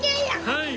はい！